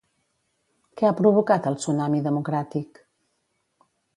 Què ha provocat el Tsunami Democràtic?